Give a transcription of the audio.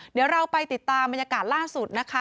เดี๋ยวเราไปติดตามบรรยากาศล่าสุดนะคะ